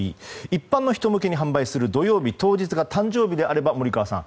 一般の人向けに販売する土曜日当日が誕生日であれば、森川さん